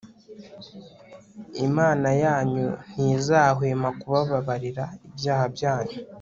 imana yanyu ntizahwema kubabarira ibyaha byanyu